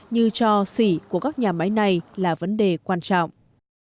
như cho xỉ của các nhà máy này là vấn đề quan trọng